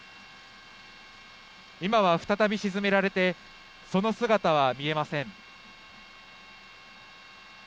今は再び沈められてその姿は見えません。